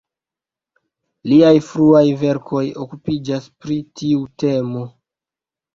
Liaj fruaj verkoj okupiĝas pri tiu temo.